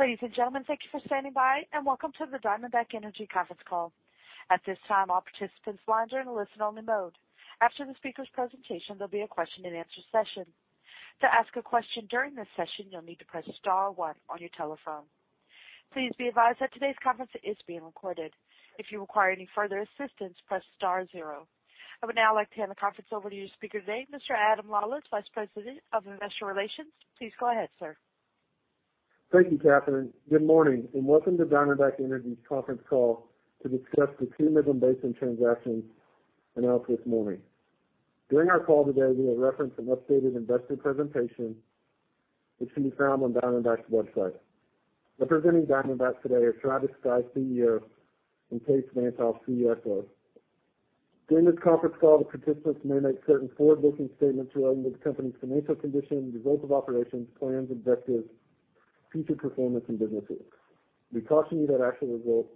Ladies and gentlemen, thank you for standing by, and welcome to the Diamondback Energy conference call. At this time, all participants lines are in a listen-only mode. After the speakers' presentation, there'll be a question and answer session. To ask a question during this session, you'll need to press star one on your telephone. Please be advised that today's conference is being recorded. If you require any further assistance, press star zero. I would now like to hand the conference over to your speaker today, Mr. Adam Lawlis, Vice President of Investor Relations. Please go ahead, sir. Thank you, Catherine. Good morning, and welcome to Diamondback Energy's conference call to discuss the two Midland Basin transactions announced this morning. During our call today, we will reference an updated investor presentation, which can be found on Diamondback's website. Representing Diamondback today are Travis Stice, CEO, and Kaes Van't Hof, CFO. During this conference call, the participants may make certain forward-looking statements relating to the company's financial condition, results of operations, plans, objectives, future performance, and business deals. We caution you that actual results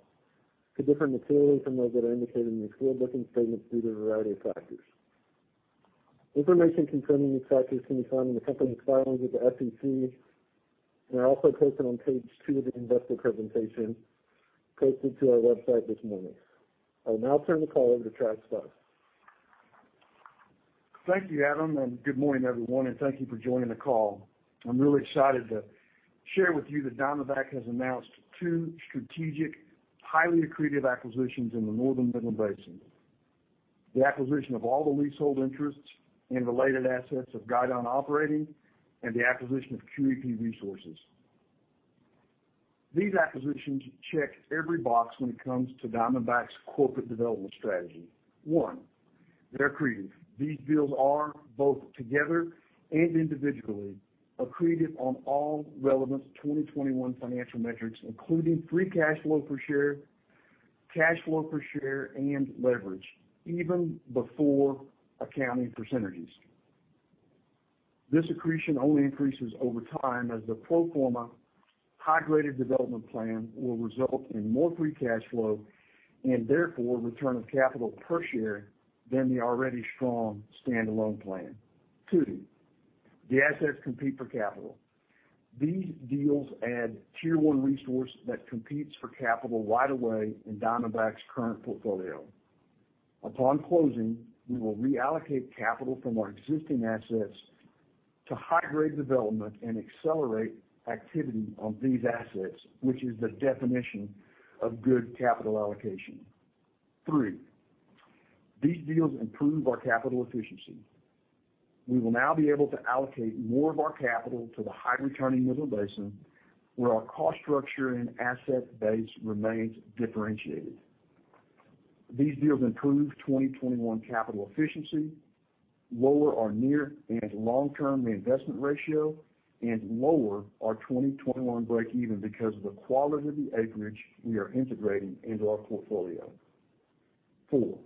could differ materially from those that are indicated in these forward-looking statements due to a variety of factors. Information concerning these factors can be found in the company's filings with the SEC and are also posted on page two of the investor presentation posted to our website this morning. I'll now turn the call over to Travis Stice. Thank you, Adam, and good morning, everyone, and thank you for joining the call. I'm really excited to share with you that Diamondback has announced two strategic, highly accretive acquisitions in the Northern Midland Basin. The acquisition of all the leasehold interests and related assets of Guidon Operating and the acquisition of QEP Resources. These acquisitions check every box when it comes to Diamondback's corporate development strategy. One, they're accretive. These deals are, both together and individually, accretive on all relevant 2021 financial metrics, including free cash flow per share, cash flow per share, and leverage, even before accounting for synergies. This accretion only increases over time as the pro forma high-graded development plan will result in more free cash flow, and therefore return of capital per share than the already strong standalone plan. Two, the assets compete for capital. These deals add Tier 1 resource that competes for capital right away in Diamondback's current portfolio. Upon closing, we will reallocate capital from our existing assets to high-grade development and accelerate activity on these assets, which is the definition of good capital allocation. Three, these deals improve our capital efficiency. We will now be able to allocate more of our capital to the high-returning Midland Basin, where our cost structure and asset base remains differentiated. These deals improve 2021 capital efficiency, lower our near and long-term investment ratio, and lower our 2021 break even because of the quality of the acreage we are integrating into our portfolio. Four,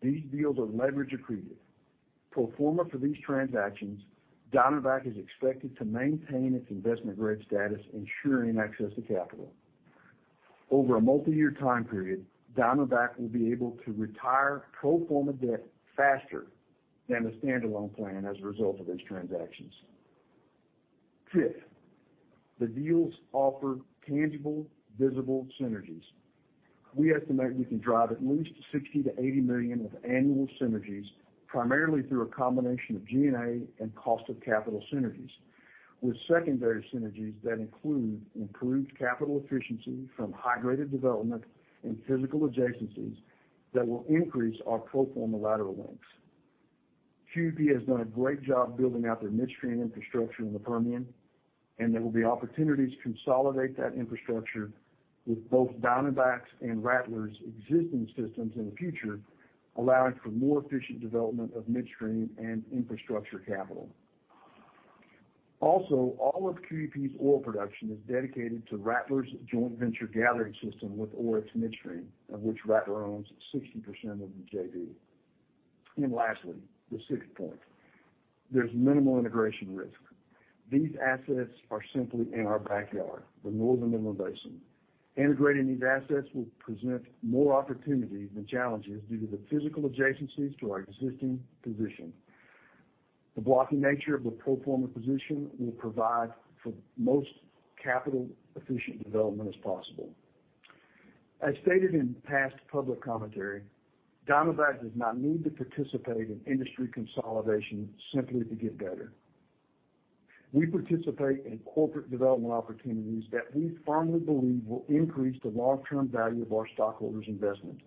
these deals are leverage accretive. Pro forma for these transactions, Diamondback is expected to maintain its investment-grade status, ensuring access to capital. Over a multi-year time period, Diamondback will be able to retire pro forma debt faster than the standalone plan as a result of these transactions. Fifth, the deals offer tangible, visible synergies. We estimate we can drive at least $60 million-$80 million of annual synergies, primarily through a combination of G&A and cost of capital synergies, with secondary synergies that include improved capital efficiency from high-graded development and physical adjacencies that will increase our pro forma lateral lengths. QEP has done a great job building out their midstream infrastructure in the Permian, and there will be opportunities to consolidate that infrastructure with both Diamondback's and Rattler's existing systems in the future, allowing for more efficient development of midstream and infrastructure capital. All of QEP's oil production is dedicated to Rattler's joint venture gathering system with Oryx Midstream, of which Rattler owns 60% of the JV. Lastly, the sixth point, there's minimal integration risk. These assets are simply in our backyard, the Northern Midland Basin. Integrating these assets will present more opportunities and challenges due to the physical adjacencies to our existing position. The blocking nature of the pro forma position will provide for the most capital-efficient development as possible. As stated in past public commentary, Diamondback does not need to participate in industry consolidation simply to get better. We participate in corporate development opportunities that we firmly believe will increase the long-term value of our stockholders' investment.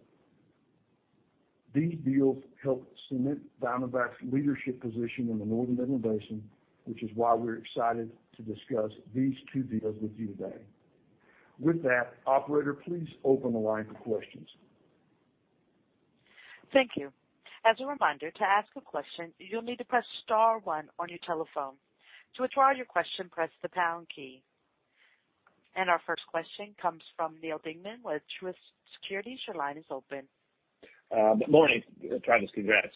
These deals help cement Diamondback's leadership position in the Northern Midland Basin, which is why we're excited to discuss these two deals with you today. With that, operator, please open the line for questions. Thank you. As a reminder, to ask a question, you'll need to press star one on your telephone. To withdraw your question, press the pound key. Our first question comes from Neal Dingmann with Truist Securities. Your line is open. Good morning. Travis, congrats.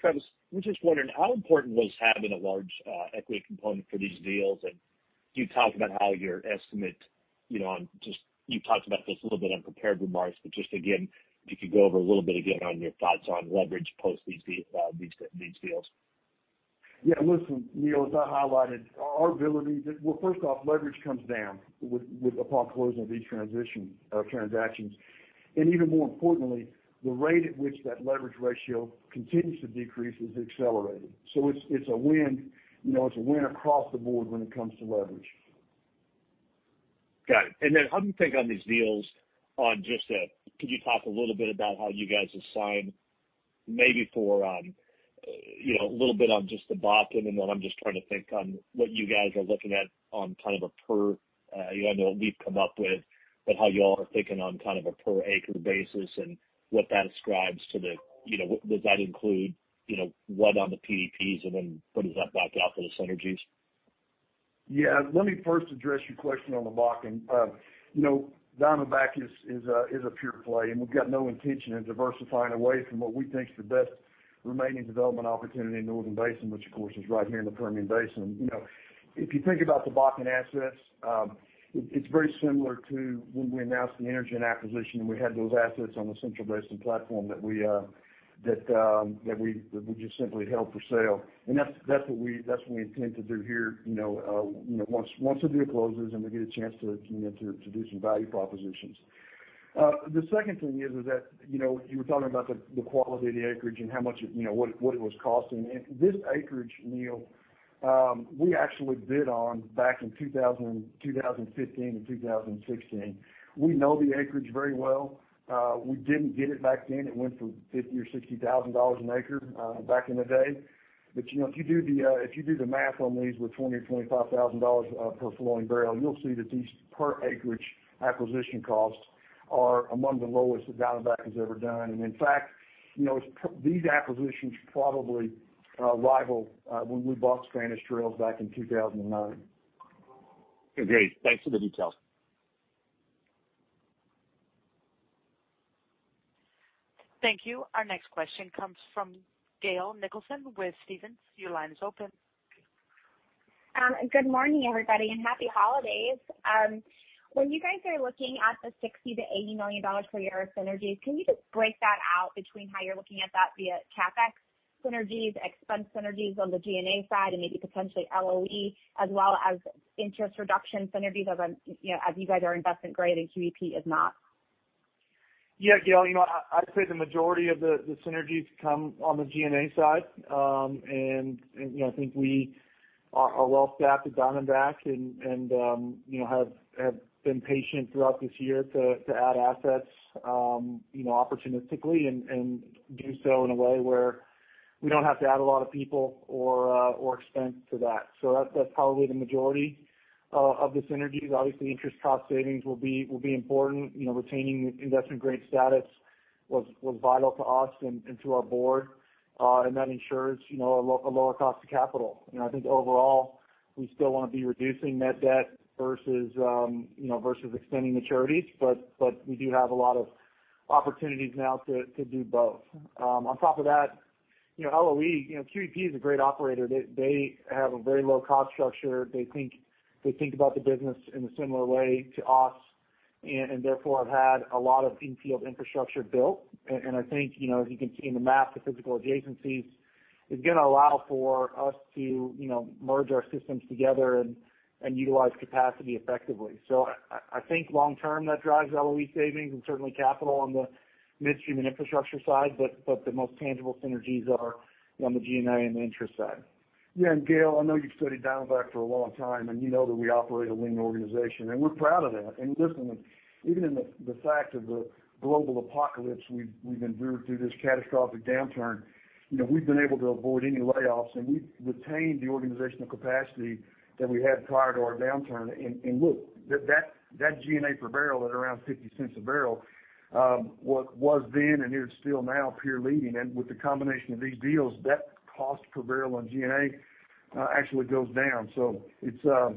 Travis, I'm just wondering, how important was having a large equity component for these deals? Can you talk about how you talked about this a little bit in prepared remarks, but just again, if you could go over a little bit again on your thoughts on leverage post these deals. Yeah. Listen, Neal, as I highlighted, our ability Well, first off, leverage comes down upon closing of these transactions. Even more importantly, the rate at which that leverage ratio continues to decrease is accelerating. It's a win. It's a win across the board when it comes to leverage. Got it. How do you think on these deals on just could you talk a little bit about how you guys assign maybe for a little bit on just the Bakken, and then I'm just trying to think on what you guys are looking at on kind of a per acre basis and what that ascribes to the, does that include what on the PDPs, and then what does that back out for the synergies? Yeah. Let me first address your question on the Bakken. Diamondback is a pure play, we've got no intention in diversifying away from what we think is the best remaining development opportunity in the northern basin, which of course, is right here in the Permian Basin. If you think about the Bakken assets, it's very similar to when we announced the Energen acquisition, we had those assets on the central basin platform that we just simply held for sale. That's what we intend to do here once the deal closes and we get a chance to do some value propositions. The second thing is that you were talking about the quality of the acreage and what it was costing. This acreage, Neal, we actually bid on back in 2015 and 2016. We know the acreage very well. We didn't get it back then. It went for $50,000 or $60,000 an acre back in the day. If you do the math on these with $20,000 or $25,000 per flowing barrel, you'll see that these per acreage acquisition costs are among the lowest that Diamondback has ever done. In fact, these acquisitions probably rival when we bought Spanish Trails back in 2009. Great. Thanks for the details. Thank you. Our next question comes from Gail Nicholson with Stephens. Your line is open. Good morning, everybody, and happy holidays. When you guys are looking at the $60 million-$80 million per year of synergies, can you just break that out between how you're looking at that via CapEx synergies, expense synergies on the G&A side, and maybe potentially LOE as well as interest reduction synergies as you guys are investment grade and QEP is not? Yeah. Gail, I'd say the majority of the synergies come on the G&A side. I think we are well-staffed at Diamondback and have been patient throughout this year to add assets opportunistically and do so in a way where we don't have to add a lot of people or expense to that. That's probably the majority of the synergies. Obviously, interest cost savings will be important. Retaining investment grade status was vital to us and to our board. That ensures a lower cost of capital. I think overall, we still want to be reducing net debt versus extending maturities, but we do have a lot of opportunities now to do both. On top of that, LOE, QEP is a great operator. They have a very low cost structure. They think about the business in a similar way to us, and therefore have had a lot of infield infrastructure built. I think as you can see in the map, the physical adjacencies is going to allow for us to merge our systems together and utilize capacity effectively. I think long term, that drives LOE savings and certainly capital on the midstream and infrastructure side, but the most tangible synergies are on the G&A and the interest side. Yeah. Gail, I know you've studied Diamondback for a long time, and you know that we operate a lean organization, and we're proud of that. Listen, even in the fact of the global apocalypse we've endured through this catastrophic downturn, we've been able to avoid any layoffs, and we've retained the organizational capacity that we had prior to our downturn. Look, that G&A per barrel at around $0.50 a barrel, was then, and is still now peer leading. With the combination of these deals, that cost per barrel on G&A actually goes down. The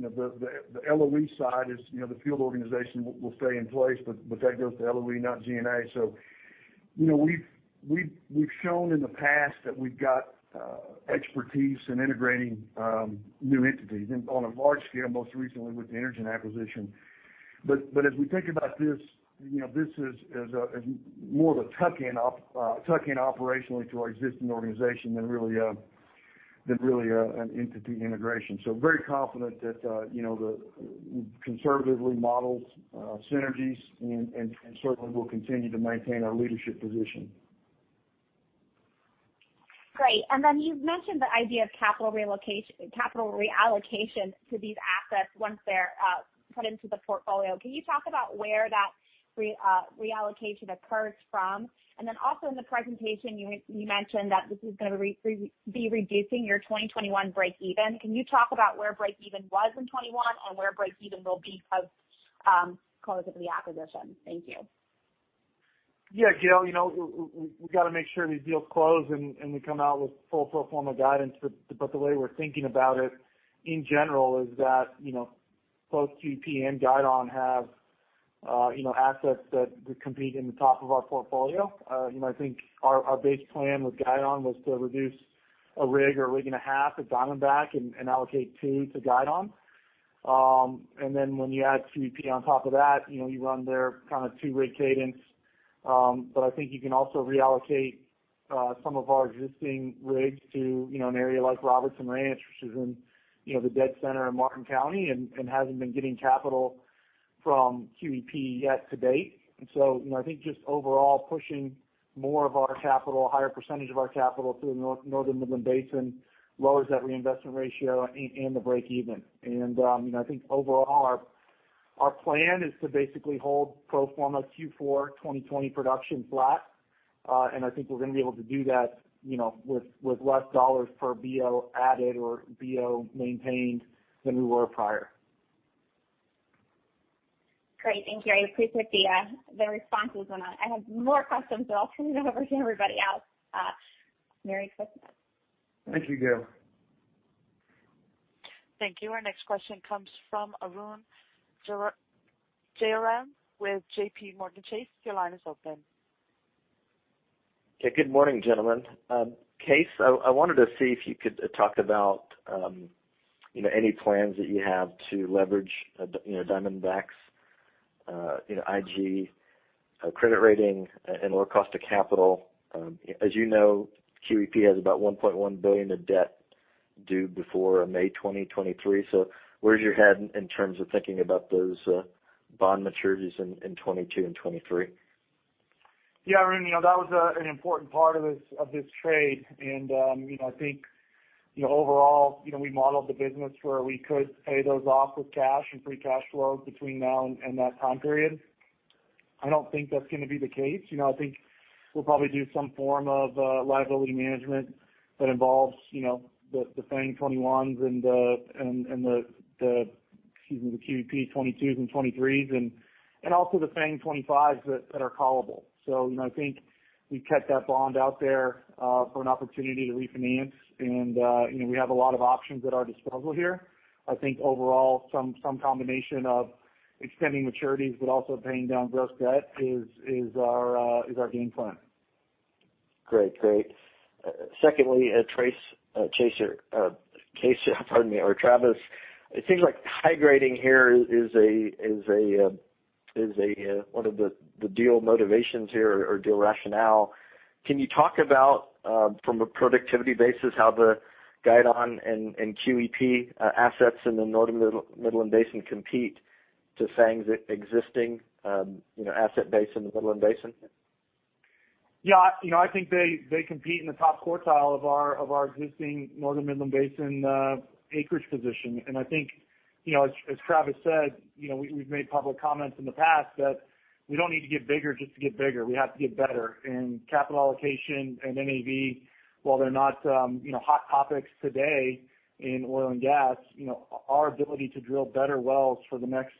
LOE side is the field organization will stay in place, but that goes to LOE, not G&A. We've shown in the past that we've got expertise in integrating new entities, and on a large scale, most recently with the Energen acquisition. As we think about this is more of a tuck-in operationally to our existing organization than really an entity integration. Very confident that the conservatively models synergies and certainly we'll continue to maintain our leadership position. Great. You've mentioned the idea of capital reallocation to these assets once they're put into the portfolio. Can you talk about where that reallocation occurs from? Also in the presentation, you mentioned that this is going to be reducing your 2021 breakeven. Can you talk about where breakeven was in 2021 and where breakeven will be because of the acquisition? Thank you. Yeah. Gail, we've got to make sure these deals close, we come out with full formal guidance. The way we're thinking about it in general is that both QEP and Guidon have assets that compete in the top of our portfolio. I think our base plan with Guidon was to reduce a rig or a rig and a half at Diamondback and allocate two to Guidon. When you add QEP on top of that, you run their two rig cadence. I think you can also reallocate some of our existing rigs to an area like Robertson Ranch, which is in the dead center of Martin County, hasn't been getting capital from QEP yet to date. I think just overall pushing more of our capital, a higher percentage of our capital to the Northern Midland Basin lowers that reinvestment ratio and the break-even. I think overall, our plan is to basically hold pro forma Q4 2020 production flat. I think we're going to be able to do that with less dollars per BO added or BO maintained than we were prior. Great. Thank you. I appreciate the responses. I have more questions, but I'll turn it over to everybody else. Merry Christmas. Thank you, Gail. Thank you. Our next question comes from Arun Jayaram with JPMorgan Chase. Your line is open. Okay. Good morning, gentlemen. Kaes, I wanted to see if you could talk about any plans that you have to leverage Diamondback's IG credit rating and lower cost of capital. As you know, QEP has about $1.1 billion of debt due before May 2023. Where is your head in terms of thinking about those bond maturities in 2022 and 2023? Yeah, Arun. That was an important part of this trade, and I think overall, we modeled the business where we could pay those off with cash and free cash flow between now and that time period. I don't think that's going to be the case. I think we'll probably do some form of liability management that involves the FANG 2021s and the QEP 2022s and 2023s and also the FANG 2025s that are callable. I think we kept that bond out there for an opportunity to refinance, and we have a lot of options at our disposal here. I think overall, some combination of extending maturities but also paying down gross debt is our game plan. Great. Secondly, pardon me. Travis, it seems like high grading here is one of the deal motivations here or deal rationale. Can you talk about, from a productivity basis, how the Guidon and QEP assets in the Northern Midland Basin compete to FANG's existing asset base in the Midland Basin? Yeah. I think they compete in the top quartile of our existing Northern Midland Basin acreage position. I think as Travis said, we've made public comments in the past that we don't need to get bigger just to get bigger. We have to get better. Capital allocation and NAV, while they're not hot topics today in oil and gas, our ability to drill better wells for the next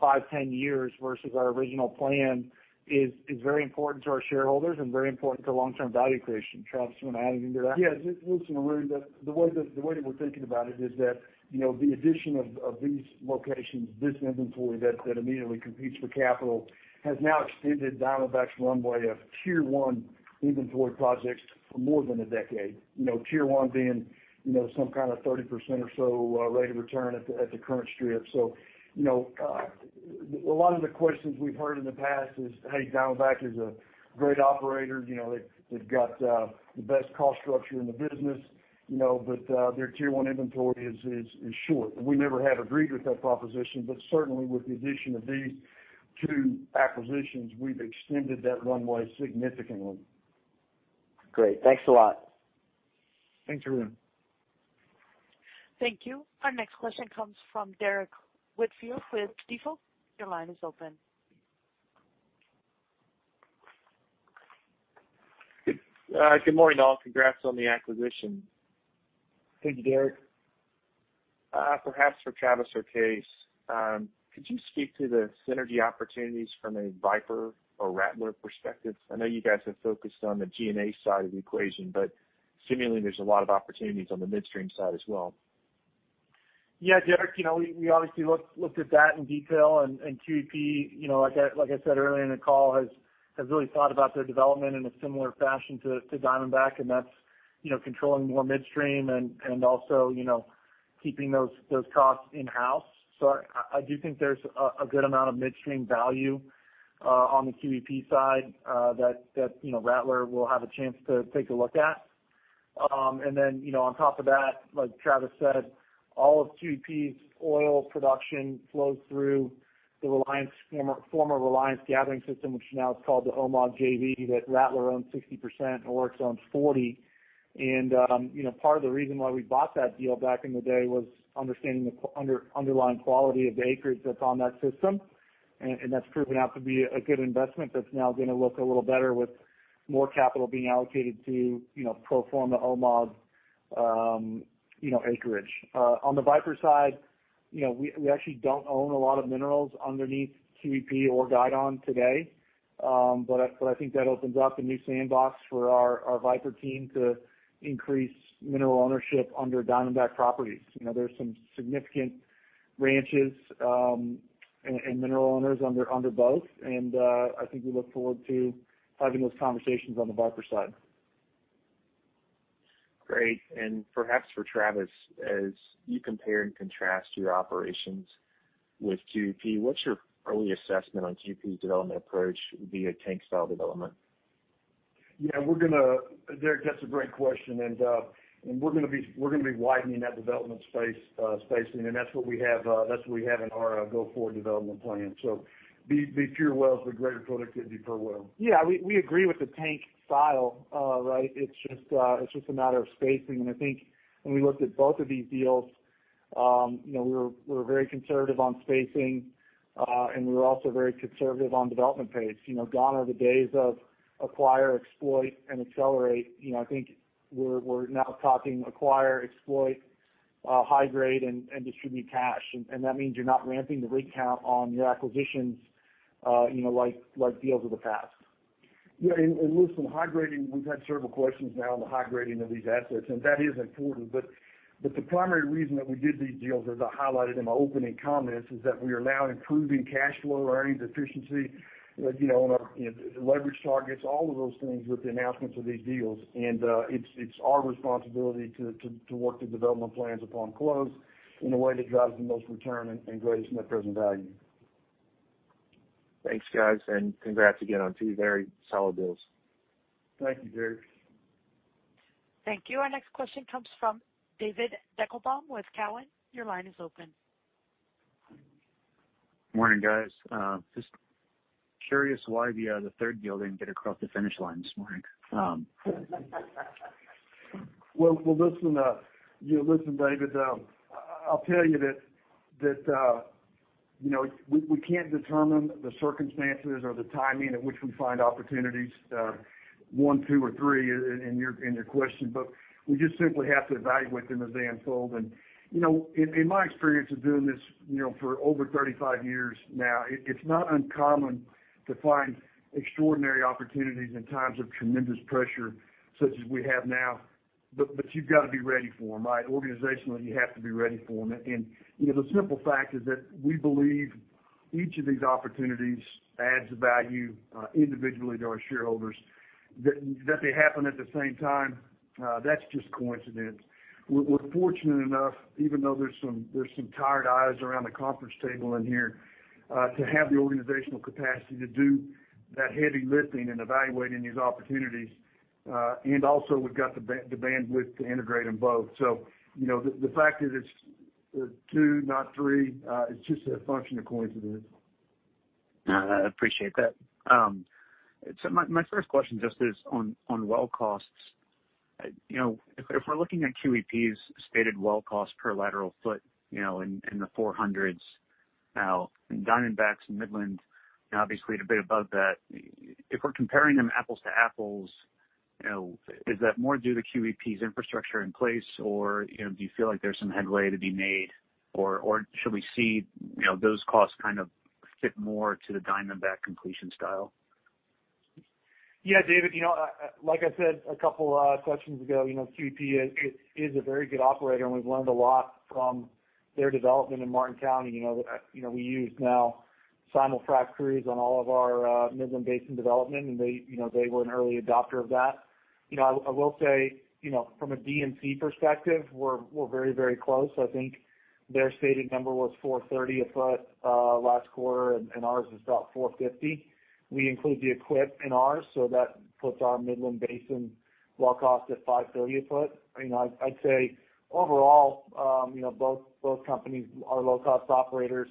five, 10 years versus our original plan is very important to our shareholders and very important to long-term value creation. Travis, you want to add anything to that? Yes. Listen, Arun, the way that we're thinking about it is that the addition of these locations, this inventory that immediately competes for capital, has now extended Diamondback's runway of Tier 1 inventory projects for more than a decade. Tier 1 being some kind of 30% or so rate of return at the current strip. A lot of the questions we've heard in the past is, "Hey, Diamondback is a great operator. They've got the best cost structure in the business, but their Tier 1 inventory is short." We never have agreed with that proposition. Certainly, with the addition of these two acquisitions, we've extended that runway significantly. Great. Thanks a lot. Thanks, Arun. Thank you. Our next question comes from Derrick Whitfield with Stifel. Your line is open. Good morning, all. Congrats on the acquisition. Thank you, Derrick. Perhaps for Travis or Kaes, could you speak to the synergy opportunities from a Viper or Rattler perspective? I know you guys have focused on the G&A side of the equation, but seemingly, there's a lot of opportunities on the midstream side as well. Yeah, Derrick, we obviously looked at that in detail. QEP, like I said earlier in the call, has really thought about their development in a similar fashion to Diamondback, and that's controlling more midstream and also keeping those costs in-house. I do think there's a good amount of midstream value on the QEP side that Rattler will have a chance to take a look at. On top of that, like Travis said, all of QEP's oil production flows through the former Reliance Gathering system, which now is called the OMOG JV, that Rattler owns 60% and Oryx owns 40%. Part of the reason why we bought that deal back in the day was understanding the underlying quality of the acreage that's on that system. That's proven out to be a good investment that's now going to look a little better with more capital being allocated to pro forma OMOG acreage. On the Viper side, we actually don't own a lot of minerals underneath QEP or Guidon today. I think that opens up a new sandbox for our Viper team to increase mineral ownership under Diamondback properties. There's some significant ranches and mineral owners under both, and I think we look forward to having those conversations on the Viper side. Great. Perhaps for Travis, as you compare and contrast your operations with QEP, what's your early assessment on QEP's development approach via tank style development? Yeah, Derrick, that's a great question. We're going to be widening that development spacing. That's what we have in our go-forward development plan. Fewer wells but greater productivity per well. Yeah, we agree with the tank style, right? It's just a matter of spacing. I think when we looked at both of these deals, we were very conservative on spacing, and we were also very conservative on development pace. Gone are the days of acquire, exploit, and accelerate. I think we're now talking acquire, exploit, high grade, and distribute cash. That means you're not ramping the rig count on your acquisitions like deals of the past. Yeah, listen, high grading, we've had several questions now on the high grading of these assets. That is important. The primary reason that we did these deals, as I highlighted in my opening comments, is that we are now improving cash flow, earnings efficiency, and our leverage targets, all of those things with the announcements of these deals. It's our responsibility to work the development plans upon close in a way that drives the most return and greatest net present value. Thanks, guys, and congrats again on two very solid deals. Thank you, Derrick. Thank you. Our next question comes from David Deckelbaum with Cowen. Your line is open. Morning, guys. Just curious why the third deal didn't get across the finish line this morning? Well, listen, David, I'll tell you that we can't determine the circumstances or the timing at which we find opportunities, one, two, or three in your question. We just simply have to evaluate them as they unfold. In my experience of doing this for over 35 years now, it's not uncommon to find extraordinary opportunities in times of tremendous pressure such as we have now. You've got to be ready for them, right? Organizationally, you have to be ready for them. The simple fact is that we believe each of these opportunities adds value individually to our shareholders. That they happen at the same time, that's just coincidence. We're fortunate enough, even though there's some tired eyes around the conference table in here, to have the organizational capacity to do that heavy lifting in evaluating these opportunities. Also, we've got the bandwidth to integrate them both. The fact that it's two, not three, is just a function of coincidence. I appreciate that. My first question just is on well costs. If we're looking at QEP's stated well cost per lateral foot in the 400s now, and Diamondback's in Midland, obviously at a bit above that. If we're comparing them apples to apples, is that more due to QEP's infrastructure in place, or do you feel like there's some headway to be made? Should we see those costs kind of fit more to the Diamondback completion style? Yeah, David, like I said a couple questions ago, QEP is a very good operator, and we've learned a lot from their development in Martin County. We use now simul-frac crews on all of our Midland Basin development, and they were an early adopter of that. I will say, from a D&C perspective, we're very close. I think their stated number was 430 a foot last quarter, and ours was about 450. We include the equip in ours, so that puts our Midland Basin well cost at 530 a foot. I'd say overall, both companies are low-cost operators.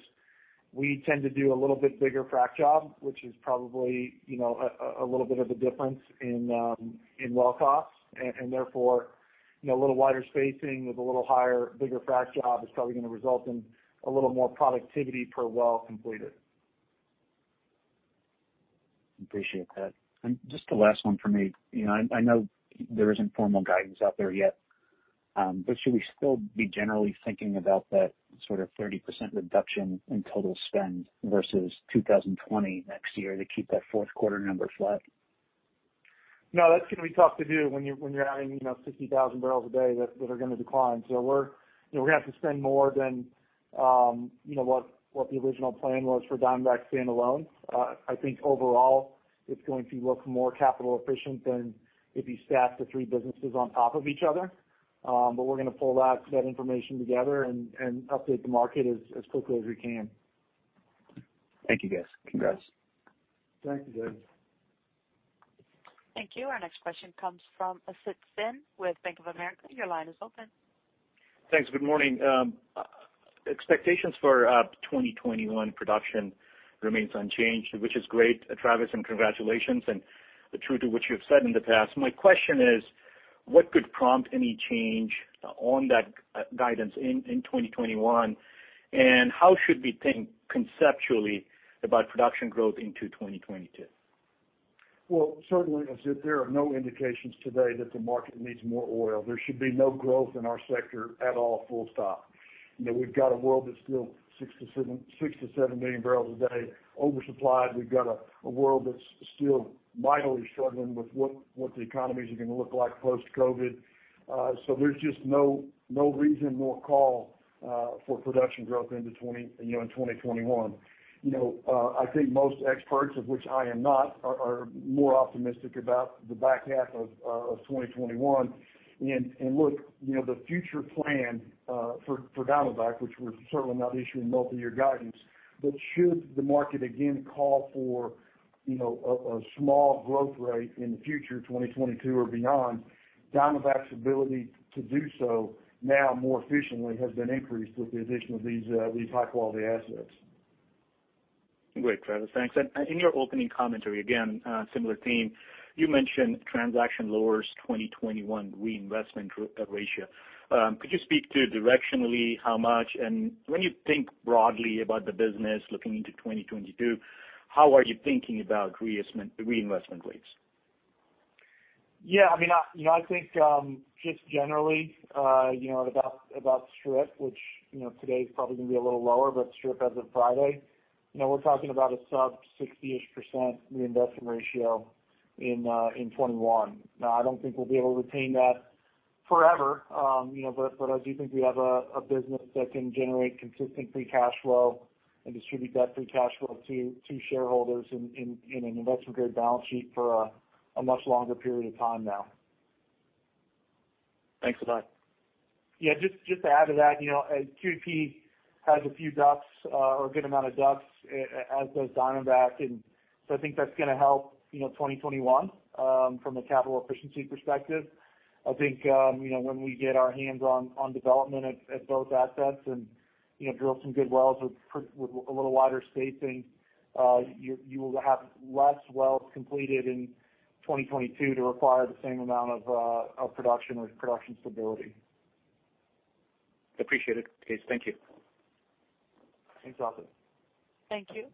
We tend to do a little bit bigger frac job, which is probably a little bit of a difference in well costs and therefore, a little wider spacing with a little higher, bigger frac job is probably going to result in a little more productivity per well completed. Appreciate that. Just the last one from me. I know there isn't formal guidance out there yet, but should we still be generally thinking about that sort of 30% reduction in total spend versus 2020 next year to keep that fourth quarter number flat? No, that's going to be tough to do when you're adding 60,000 barrels a day that are going to decline. We're going to have to spend more than what the original plan was for Diamondback standalone. I think overall, it's going to look more capital efficient than if you stacked the three businesses on top of each other. We're going to pull that information together and update the market as quickly as we can. Thank you, guys. Congrats. Thank you, David. Thank you. Our next question comes from Asit Sen with Bank of America. Your line is open. Thanks. Good morning. Expectations for 2021 production remains unchanged, which is great, Travis, and congratulations, and true to what you have said in the past. My question is: What could prompt any change on that guidance in 2021, and how should we think conceptually about production growth into 2022? Well, certainly, Asit, there are no indications today that the market needs more oil. There should be no growth in our sector at all, full stop. We've got a world that's still 6 billion-7 billion barrels a day oversupplied. We've got a world that's still mightily struggling with what the economies are going to look like post-COVID. There's just no reason, nor call, for production growth in 2021. I think most experts, of which I am not, are more optimistic about the back half of 2021. Look, the future plan for Diamondback, which we're certainly not issuing multi-year guidance, but should the market again call for a small growth rate in the future, 2022 or beyond, Diamondback's ability to do so now more efficiently has been increased with the addition of these high-quality assets. Great, Travis, thanks. In your opening commentary, again, similar theme, you mentioned transaction lowers 2021 reinvestment ratio. Could you speak to directionally how much? When you think broadly about the business looking into 2022, how are you thinking about reinvestment rates? Yeah. I think, just generally, about strip, which today is probably going to be a little lower, but strip as of Friday, we're talking about a sub 60%-ish reinvestment ratio in 2021. I don't think we'll be able to retain that forever. I do think we have a business that can generate consistent free cash flow and distribute that free cash flow to shareholders in an investment-grade balance sheet for a much longer period of time now. Thanks a lot. Yeah, just to add to that, QEP has a few DUCs, or a good amount of DUCs, as does Diamondback. I think that's going to help 2021 from a capital efficiency perspective. I think when we get our hands on development at both assets and drill some good wells with a little wider spacing, you will have less wells completed in 2022 to require the same amount of production stability. Appreciate it, guys. Thank you. Thanks, Asit. Thank you.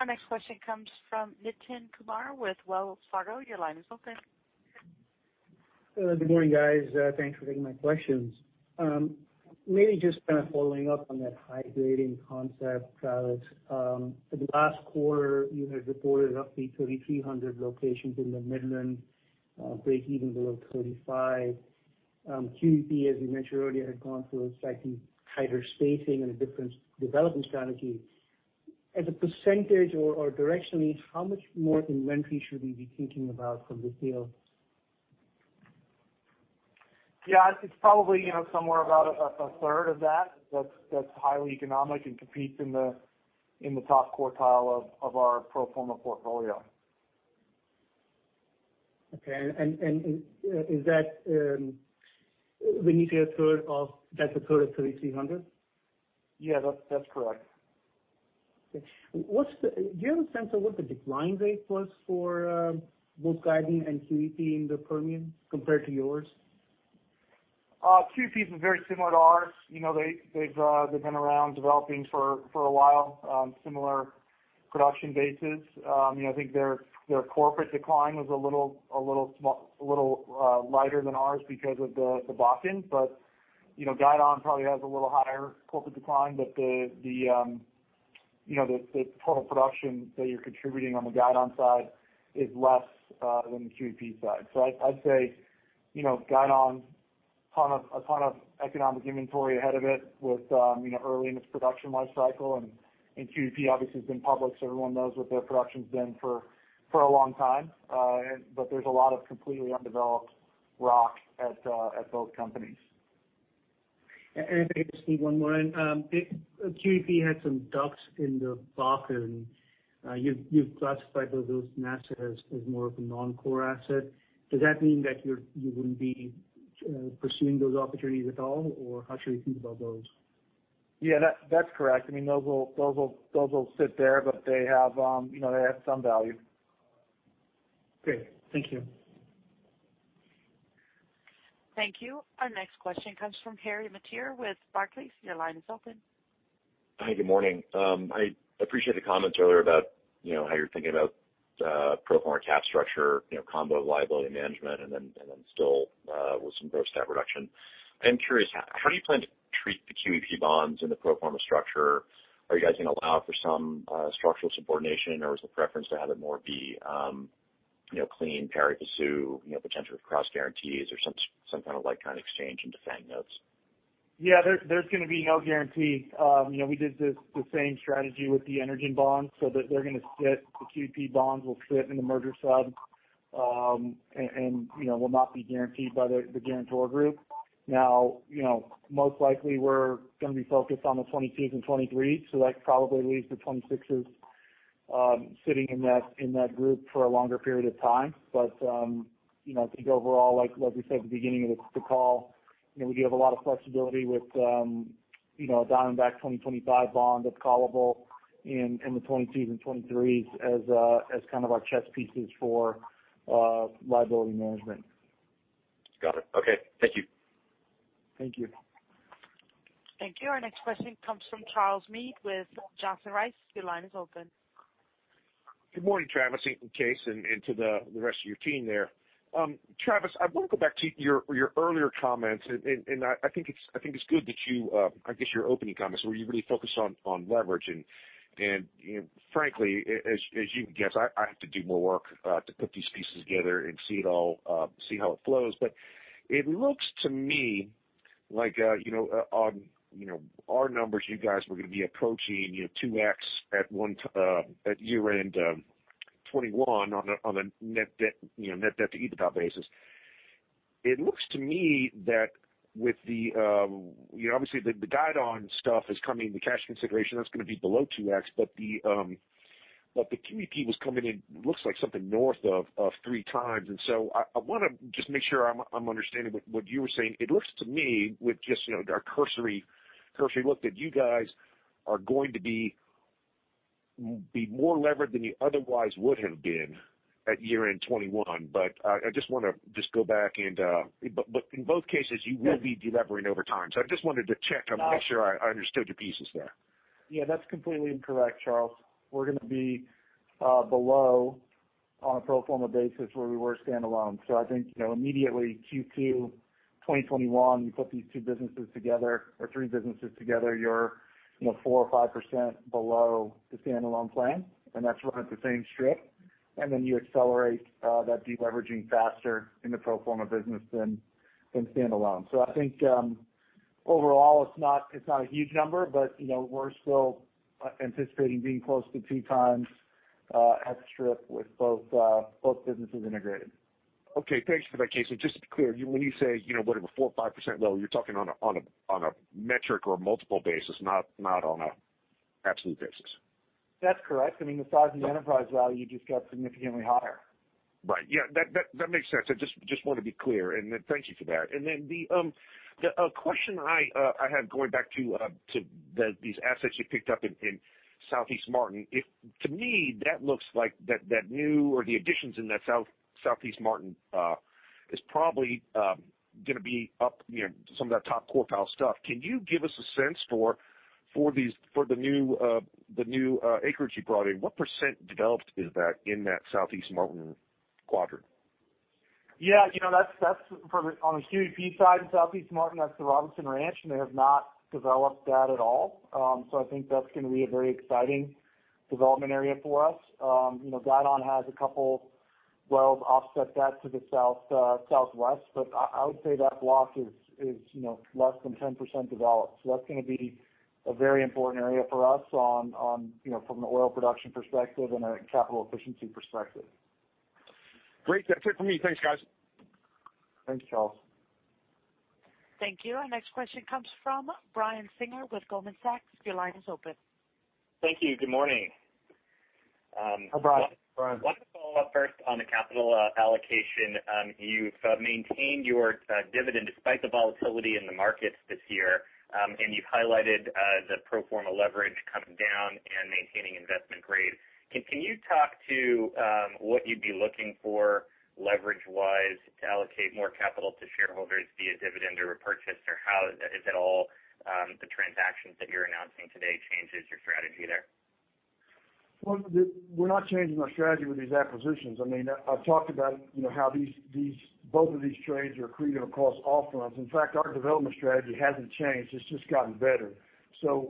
Our next question comes from Nitin Kumar with Wells Fargo. Your line is open. Good morning, guys. Thanks for taking my questions. Maybe just kind of following up on that high grading concept, Travis. For the last quarter, you had reported up to 3,300 locations in the Midland breakeven below $35. QEP, as you mentioned earlier, had gone through a slightly tighter spacing and a different development strategy. As a percentage or directionally, how much more inventory should we be thinking about from this deal? It's probably somewhere about a third of that's highly economic and competes in the top quartile of our pro forma portfolio. Okay. Is that when you say a third, that's a third of 3,300? Yeah, that's correct. Okay. Do you have a sense of what the decline rate was for both Guidon and QEP in the Permian compared to yours? QEP is very similar to ours. They've been around developing for a while, similar production bases. I think their corporate decline was a little lighter than ours because of the Bakken. Guidon probably has a little higher corporate decline, but the total production that you're contributing on the Guidon side is less than the QEP side. I'd say, Guidon, a ton of economic inventory ahead of it with early in its production life cycle, and QEP obviously has been public, so everyone knows what their production's been for a long time. There's a lot of completely undeveloped rock at both companies. If I could just need one more in. QEP had some DUCs in the Bakken. You've classified those assets as more of a non-core asset. Does that mean that you wouldn't be pursuing those opportunities at all, or how should we think about those? Yeah, that's correct. Those will sit there, but they have some value. Great. Thank you. Thank you. Our next question comes from Harry Mateer with Barclays. Hi, good morning. I appreciate the comments earlier about how you're thinking about pro forma cap structure, combo liability management, and then still with some gross debt reduction. I am curious, how do you plan to treat the QEP bonds in the pro forma structure? Are you guys going to allow for some structural subordination, or is the preference to have it more be clean pari passu, potential cross guarantees, or some kind of like-kind exchange into FANG notes? Yeah, there's going to be no guarantee. We did the same strategy with the Energen bonds, so they're going to sit. The QEP bonds will sit in the merger sub and will not be guaranteed by the guarantor group. Most likely, we're going to be focused on the 2022s and 2023s, so that probably leaves the 2026s sitting in that group for a longer period of time. I think overall, like we said at the beginning of the call, we do have a lot of flexibility with Diamondback 2025 bond that's callable, and the 2022s and 2023s as kind of our chess pieces for liability management. Okay. Thank you. Thank you. Thank you. Our next question comes from Charles Meade with Johnson Rice. Your line is open. Good morning, Travis, and Kaes, and to the rest of your team there. Travis, I want to go back to your earlier comments, I think it's good that I guess your opening comments, where you really focused on leverage, frankly, as you can guess, I have to do more work to put these pieces together and see how it flows. It looks to me like on our numbers, you guys were going to be approaching 2x at year-end 2021 on a net debt to EBITDA basis. It looks to me that obviously, the guide on stuff is coming, the cash consideration, that's going to be below 2x. The QEP was coming in, looks like something north of three times. I want to just make sure I'm understanding what you were saying. It looks to me with just our cursory look that you guys are going to be more levered than you otherwise would have been at year-end 2021. I just want to go back and in both cases, you will be de-levering over time. I just wanted to check and make sure I understood your pieces there. Yeah, that's completely incorrect, Charles. We're going to be below on a pro forma basis where we were standalone. I think, immediately Q2 2021, you put these two businesses together or three businesses together, you're 4% or 5% below the standalone plan, and that's run at the same strip. Then you accelerate that de-leveraging faster in the pro forma business than standalone. I think, overall, it's not a huge number, but we're still anticipating being close to two times at strip with both businesses integrated. Okay. Thanks for that, Kaes. Just to be clear, when you say whatever, 4% or 5% low, you're talking on a metric or a multiple basis, not on a absolute basis. That's correct. I mean, the size of the enterprise value just got significantly higher. Right. Yeah. That makes sense. I just want to be clear, and thank you for that. The question I had going back to these assets you picked up in Southeast Martin. To me, that looks like that new or the additions in that Southeast Martin is probably going to be up some of that top quartile stuff. Can you give us a sense for the new acreage you brought in? What percent developed is that in that Southeast Martin quadrant? Yeah. On the QEP side in Southeast Martin, that's the Robertson Ranch. They have not developed that at all. I think that's going to be a very exciting development area for us. Guidon has a couple wells offset that to the southwest. I would say that block is less than 10% developed. That's going to be a very important area for us from an oil production perspective and a capital efficiency perspective. Great. That's it for me. Thanks, guys. Thanks, Charles. Thank you. Our next question comes from Brian Singer with Goldman Sachs. Your line is open. Thank you. Good morning. Hi, Brian. Want to follow up first on the capital allocation. You've maintained your dividend despite the volatility in the markets this year. You've highlighted the pro forma leverage coming down and maintaining investment grade. Can you talk to what you'd be looking for leverage-wise to allocate more capital to shareholders via dividend or repurchase, or how is it all the transactions that you're announcing today changes your strategy there? Well, we're not changing our strategy with these acquisitions. I mean, I've talked about how both of these trades are accretive across all fronts. In fact, our development strategy hasn't changed. It's just gotten better.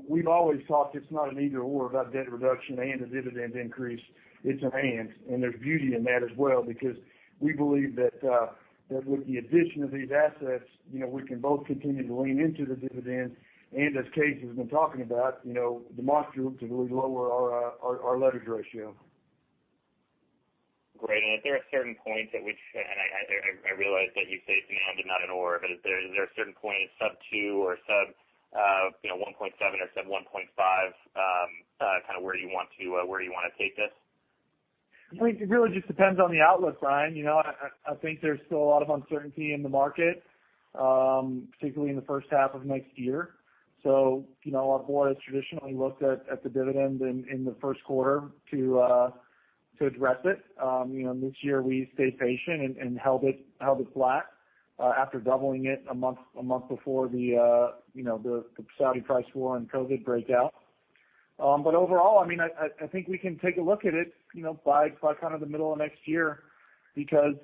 We've always thought it's not an either/or about debt reduction and a dividend increase. It's an and. There's beauty in that as well because we believe that with the addition of these assets, we can both continue to lean into the dividend, and as Kaes has been talking about, the monster to really lower our leverage ratio. Are there certain points at which, and I realize that you say it's an and and not an or, but is there a certain point, sub 2 or sub 1.7 or sub 1.5, kind of where you want to take this? It really just depends on the outlook, Brian. I think there's still a lot of uncertainty in the market, particularly in the first half of next year. Our board has traditionally looked at the dividend in the first quarter to address it. This year we stayed patient and held it flat after doubling it a month before the Saudi price war and COVID breakout. Overall, I think we can take a look at it by kind of the middle of next year because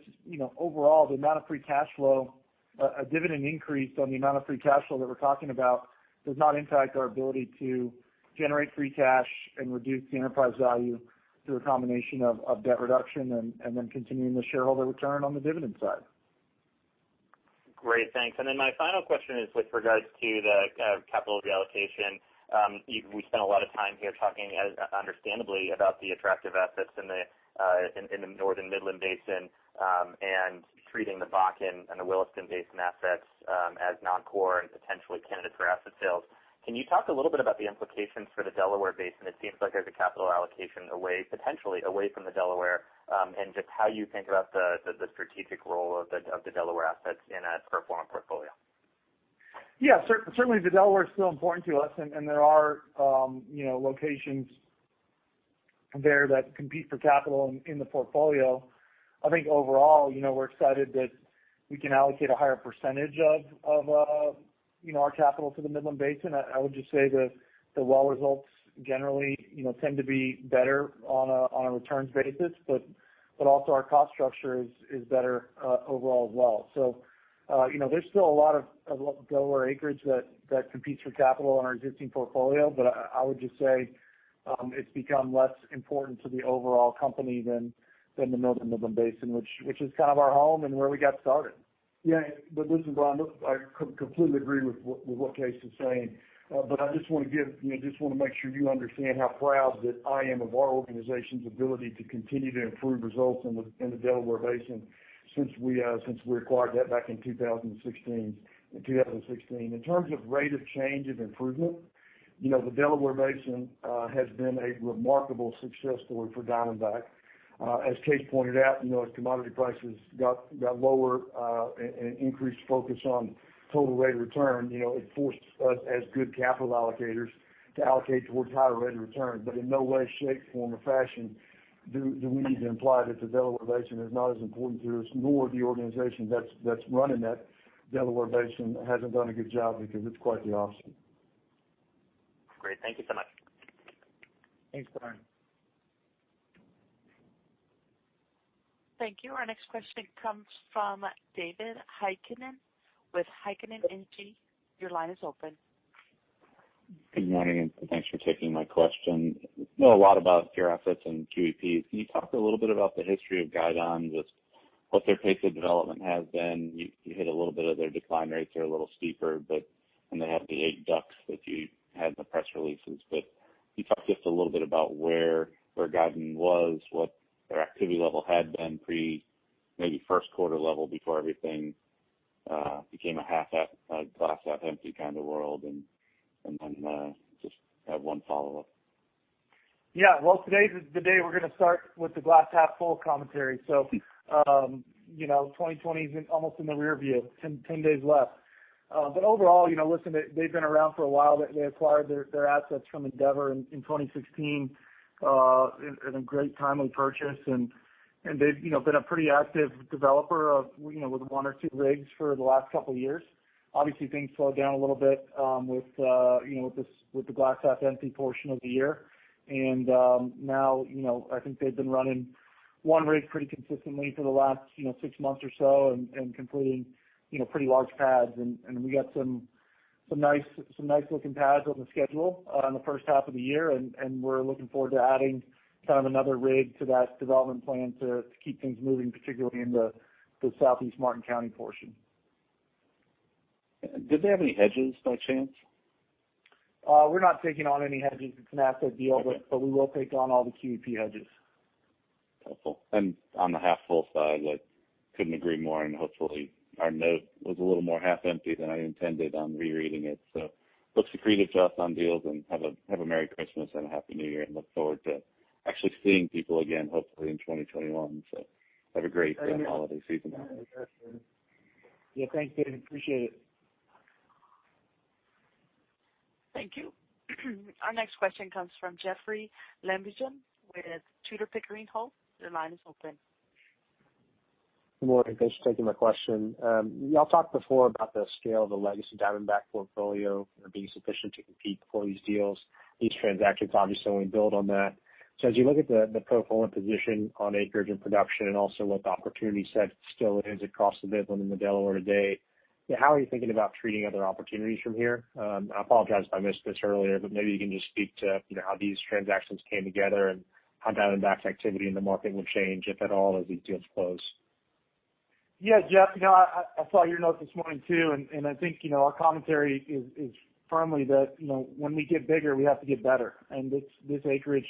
overall, the amount of free cash flow, a dividend increase on the amount of free cash flow that we're talking about does not impact our ability to generate free cash and reduce the enterprise value through a combination of debt reduction and then continuing the shareholder return on the dividend side. Great. Thanks. My final question is with regards to the capital reallocation. We spent a lot of time here talking understandably about the attractive assets in the Northern Midland Basin, and treating the Bakken and the Williston Basin assets as non-core and potentially candidates for asset sales. Can you talk a little bit about the implications for the Delaware Basin? It seems like there's a capital allocation potentially away from the Delaware, and just how you think about the strategic role of the Delaware assets in a pro forma portfolio. Yeah. Certainly the Delaware is still important to us, and there are locations there that compete for capital in the portfolio. I think overall, we're excited that we can allocate a higher percentage of our capital to the Midland Basin. I would just say that the well results generally tend to be better on a returns basis, but also our cost structure is better overall as well. There's still a lot of Delaware acreage that competes for capital in our existing portfolio. I would just say, it's become less important to the overall company than the Midland Basin, which is kind of our home and where we got started. Yeah. Listen, Brian, look, I completely agree with what Kaes is saying. I just want to make sure you understand how proud that I am of our organization's ability to continue to improve results in the Delaware Basin since we acquired that back in 2016. In terms of rate of change of improvement, the Delaware Basin has been a remarkable success story for Diamondback. As Kaes pointed out, as commodity prices got lower, and increased focus on total rate of return, it forced us as good capital allocators to allocate towards higher rate of return. In no way, shape, form, or fashion, do we need to imply that the Delaware Basin is not as important to us, nor the organization that's running that Delaware Basin hasn't done a good job because it's quite the opposite. Great. Thank you so much. Thanks, Brian. Thank you. Our next question comes from David Heikkinen with Heikkinen Energy. Your line is open. Good morning. Thanks for taking my question. We know a lot about your assets and QEP. Can you talk a little bit about the history of Guidon, just what their pace of development has been? You hit a little bit of their decline rates. They're a little steeper. They have the eight DUCs that you had in the press releases. Can you talk just a little bit about where Guidon was, what their activity level had been pre maybe first quarter level before everything became a glass half empty kind of world? I just have one follow-up. Yeah. Well, today's the day we're going to start with the glass half full commentary. 2020 is almost in the rearview, 10 days left. Overall, listen, they've been around for a while. They acquired their assets from Endeavor in 2016, in a great timely purchase. They've been a pretty active developer with one or two rigs for the last couple of years. Obviously, things slowed down a little bit with the glass half empty portion of the year. Now, I think they've been running one rig pretty consistently for the last six months or so and completing pretty large pads. We got some nice looking pads on the schedule on the first half of the year, and we're looking forward to adding kind of another rig to that development plan to keep things moving, particularly in the Southeast Martin County portion. Do they have any hedges, by chance? We're not taking on any hedges. It's an asset deal. Okay. We will take on all the QEP hedges. Helpful. On the half full side, I couldn't agree more, and hopefully our note was a little more half empty than I intended on rereading it. Look to creative us on deals and have a Merry Christmas and a Happy New Year, and look forward to actually seeing people again, hopefully in 2021. Have a great holiday season. Yeah. You bet. Yeah. Thanks, David. Appreciate it. Thank you. Our next question comes from Jeoffrey Lambujon with Tudor, Pickering, Holt. Your line is open. Good morning. Thanks for taking my question. Y'all talked before about the scale of the legacy Diamondback portfolio, you know, being sufficient to compete for these deals. These transactions, obviously, only build on that. As you look at the pro forma position on acreage and production and also what the opportunity set still is across the Midland and the Delaware today, how are you thinking about treating other opportunities from here? I apologize if I missed this earlier, maybe you can just speak to how these transactions came together and how Diamondback's activity in the market will change, if at all, as these deals close. Yeah, Jeoffrey. I saw your note this morning, too. I think our commentary is firmly that when we get bigger, we have to get better. This acreage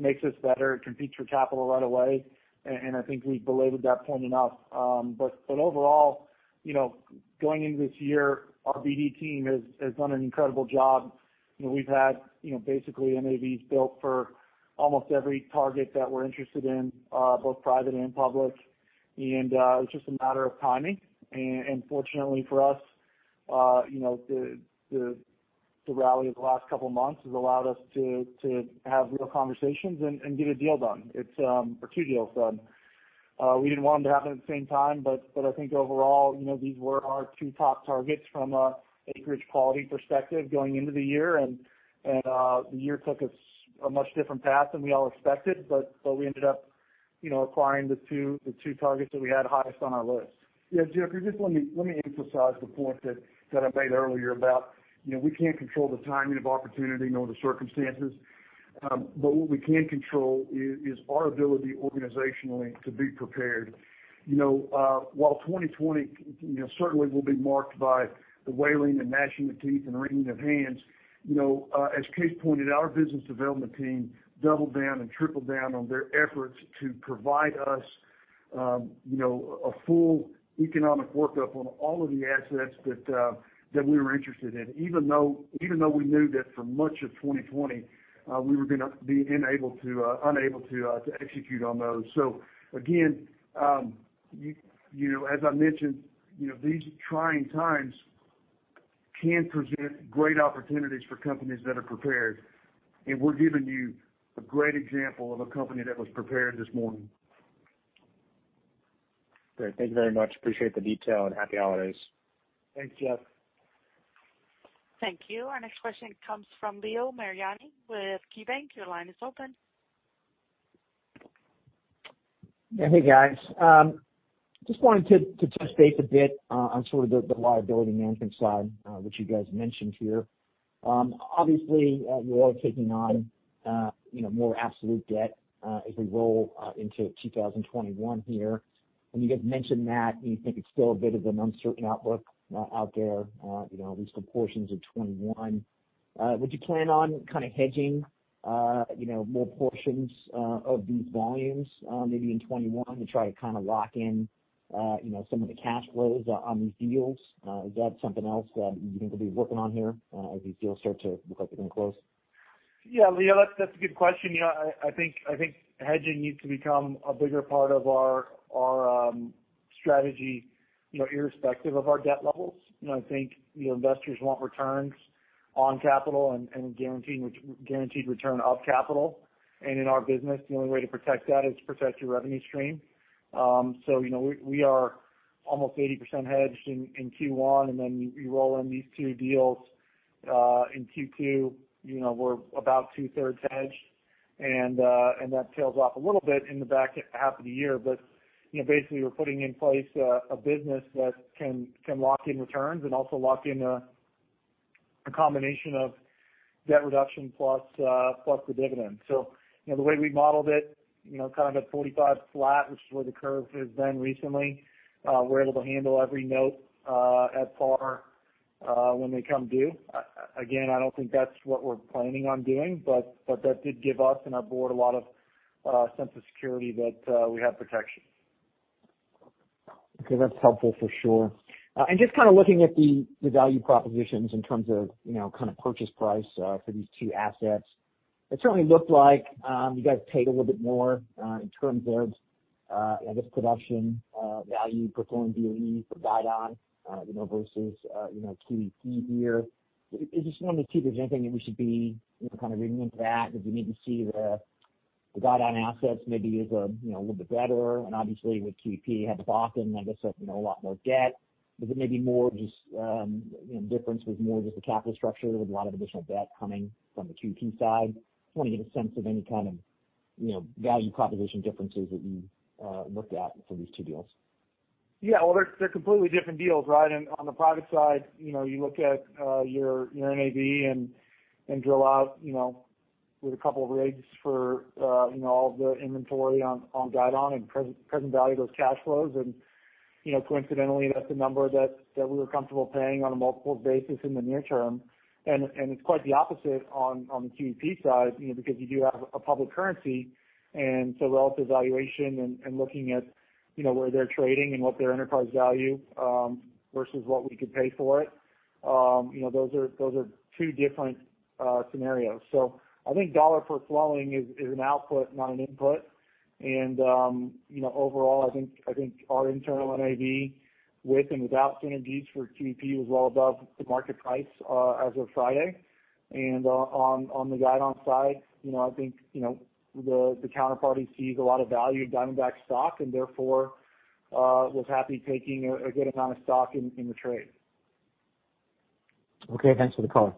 makes us better. It competes for capital right away. I think we've belabored that point enough. Overall, going into this year, our BD team has done an incredible job. We've had basically NAVs built for almost every target that we're interested in, both private and public. It's just a matter of timing. Fortunately for us, the rally of the last couple of months has allowed us to have real conversations and get a deal done. Or two deals done. We didn't want them to happen at the same time. I think overall, these were our two top targets from a acreage quality perspective going into the year. The year took a much different path than we all expected, but we ended up acquiring the two targets that we had highest on our list. Yeah. Jeoffrey, just let me emphasize the point that I made earlier about we can't control the timing of opportunity nor the circumstances. What we can control is our ability organizationally to be prepared. While 2020 certainly will be marked by the wailing and gnashing of teeth and wringing of hands, as Kaes pointed out, our business development team doubled down and tripled down on their efforts to provide us a full economic workup on all of the assets that we were interested in, even though we knew that for much of 2020, we were going to be unable to execute on those. Again, as I mentioned, these trying times. Can present great opportunities for companies that are prepared. We're giving you a great example of a company that was prepared this morning. Great. Thank you very much. Appreciate the detail, and happy holidays. Thanks, Jeof. Thank you. Our next question comes from Leo Mariani with KeyBanc. Your line is open. Hey, guys. Just wanted to touch base a bit on sort of the liability management side, which you guys mentioned here. Obviously, you all are taking on more absolute debt as we roll into 2021 here. When you guys mentioned that, you think it's still a bit of an uncertain outlook out there, at least for portions of 2021. Would you plan on kind of hedging more portions of these volumes maybe in 2021 to try to lock in some of the cash flows on these deals? Is that something else that you think you'll be working on here as these deals start to look like they're going to close? Yeah, Leo, that's a good question. I think hedging needs to become a bigger part of our strategy, irrespective of our debt levels. I think investors want returns on capital and guaranteed return of capital. In our business, the only way to protect that is to protect your revenue stream. We are almost 80% hedged in Q1, and then you roll in these two deals, in Q2, we're about two-thirds hedged, and that tails off a little bit in the back half of the year. Basically, we're putting in place a business that can lock in returns and also lock in a combination of debt reduction plus the dividend. The way we modeled it, kind of at $45 flat, which is where the curve has been recently, we're able to handle every note at par when they come due. Again, I don't think that's what we're planning on doing, but that did give us and our board a lot of sense of security that we have protection. Okay. That's helpful for sure. Just kind of looking at the value propositions in terms of kind of purchase price for these two assets, it certainly looked like you guys paid a little bit more in terms of, I guess, production value per BOE for Guidon versus QEP here. I just wanted to see if there's anything that we should be kind of reading into that. If we need to see the Guidon assets maybe as a little bit better, and obviously with QEP having Bakken, I guess, a lot more debt. Was it maybe more just difference with more just the capital structure with a lot of additional debt coming from the QEP side? Just want to get a sense of any kind of value proposition differences that you looked at for these two deals. Yeah. Well, they're completely different deals, right? On the private side, you look at your NAV and drill out with a couple of rigs for all the inventory on Guidon and present value those cash flows. Coincidentally, that's the number that we were comfortable paying on a multiple basis in the near term. It's quite the opposite on the QEP side, because you do have a public currency, and so relative valuation and looking at where they're trading and what their enterprise value versus what we could pay for it. Those are two different scenarios. I think dollar per flowing is an output, not an input. Overall, I think our internal NAV with and without synergies for QEP was well above the market price as of Friday. On the Guidon side, I think the counterparty sees a lot of value in Diamondback stock, and therefore was happy taking a good amount of stock in the trade. Okay. Thanks for the call.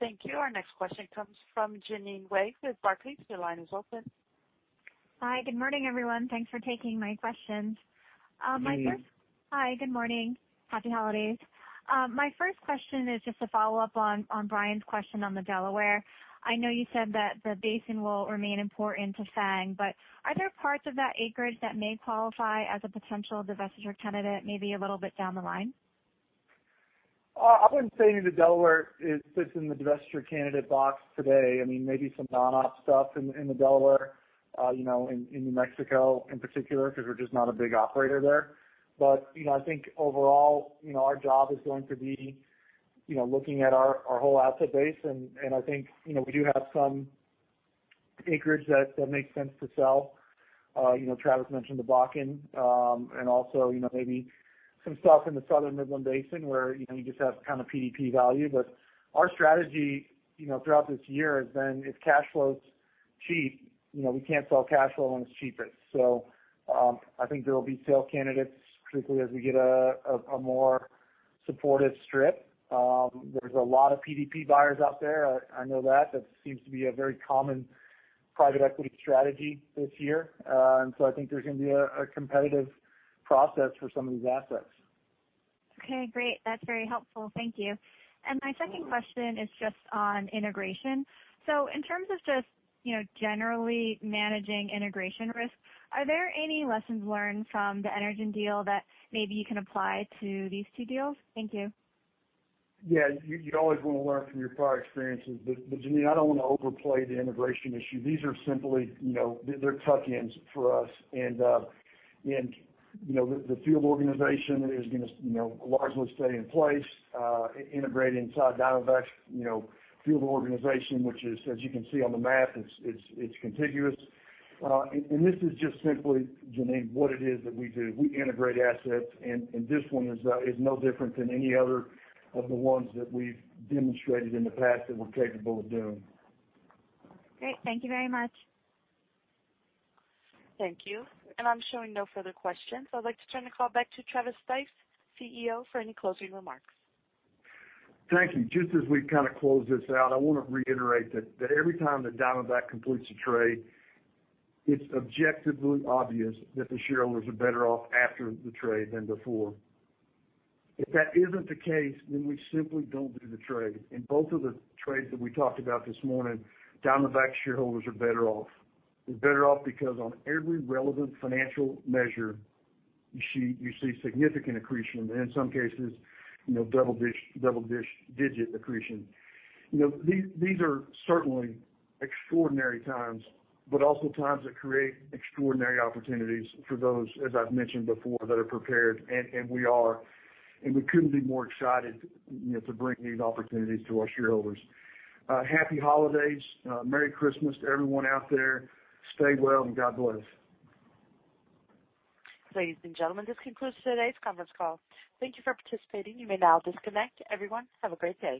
Thank you. Our next question comes from Jeanine Wai with Barclays. Your line is open. Hi. Good morning, everyone. Thanks for taking my questions. Jeanine. Hi. Good morning. Happy holidays. My first question is just a follow-up on Brian's question on the Delaware. I know you said that the basin will remain important to FANG, but are there parts of that acreage that may qualify as a potential divestiture candidate, maybe a little bit down the line? I wouldn't say the Delaware sits in the divestiture candidate box today. I mean, maybe some non-op stuff in the Delaware, in New Mexico in particular, because we're just not a big operator there. I think overall, our job is going to be looking at our whole asset base, and I think we do have some acreage that makes sense to sell. Travis mentioned the Bakken, and also maybe some stuff in the Southern Midland Basin where you just have kind of PDP value. Our strategy throughout this year has been if cash flow's cheap, we can't sell cash flow when it's cheapest. I think there will be sale candidates strictly as we get a more supportive strip. There's a lot of PDP buyers out there. I know that. That seems to be a very common private equity strategy this year. I think there's going to be a competitive process for some of these assets. Okay, great. That's very helpful. Thank you. My second question is just on integration. In terms of just generally managing integration risk, are there any lessons learned from the Energen deal that maybe you can apply to these two deals? Thank you. Yeah. You always want to learn from your prior experiences. Jeanine, I don't want to overplay the integration issue. These are simply tuck-ins for us. The field organization is going to largely stay in place, integrate inside Diamondback's field organization, which is, as you can see on the map, it's contiguous. This is just simply, Jeanine, what it is that we do. We integrate assets, and this one is no different than any other of the ones that we've demonstrated in the past that we're capable of doing. Great. Thank you very much. Thank you. I'm showing no further questions. I'd like to turn the call back to Travis Stice, CEO, for any closing remarks. Thank you. Just as we kind of close this out, I want to reiterate that every time that Diamondback Energy completes a trade, it's objectively obvious that the shareholders are better off after the trade than before. If that isn't the case, then we simply don't do the trade. Both of the trades that we talked about this morning, Diamondback Energy shareholders are better off. They're better off because on every relevant financial measure, you see significant accretion, and in some cases, double-digit accretion. These are certainly extraordinary times, but also times that create extraordinary opportunities for those, as I've mentioned before, that are prepared, and we are, and we couldn't be more excited to bring these opportunities to our shareholders. Happy holidays. Merry Christmas to everyone out there. Stay well, and God bless. Ladies and gentlemen, this concludes today's conference call. Thank you for participating. You may now disconnect. Everyone, have a great day.